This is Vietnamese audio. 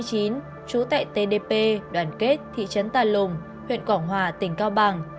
trú tệ t d p đoàn kết thị trấn tà lùng huyện quảng hòa tỉnh cao bằng